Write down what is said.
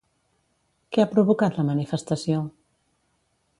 Què ha provocat la manifestació?